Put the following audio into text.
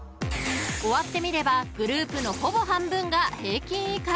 ［終わってみればグループのほぼ半分が平均以下］